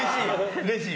うれしい？